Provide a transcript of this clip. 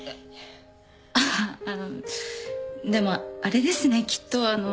ああのでもあれですねきっとあの。